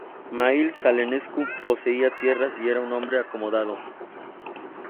Mihai Călinescu poseía tierras y era un hombre acomodado.